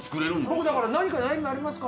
僕だから「何か悩みありますか？」